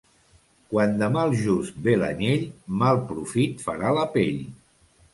Quan de mal just ve l'anyell, mal profit farà la pell.